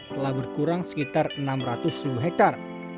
telah berkurang sekitar enam ratus ribu hektare